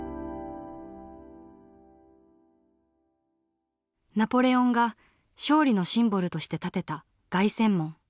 ナポレオンが勝利のシンボルとして建てた凱旋門。